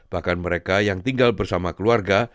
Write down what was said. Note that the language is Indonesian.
bahkan mereka yang tinggal bersama keluarga